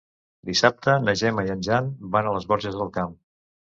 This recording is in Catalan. Dissabte na Gemma i en Jan van a les Borges del Camp.